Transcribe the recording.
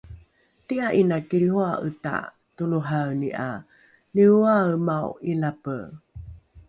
ti’a ’ina kilrihoa’eta toloraeni ’a nioaemao ’ilape?